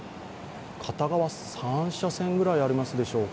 片側３車線くらいありますでしょうか。